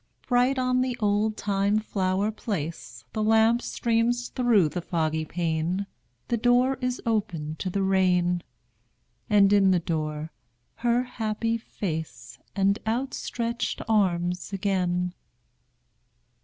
Bright on the oldtime flower place The lamp streams through the foggy pane; The door is opened to the rain: And in the door her happy face And outstretched arms again.